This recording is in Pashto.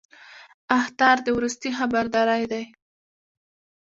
اخطار د وروستي خبرداری دی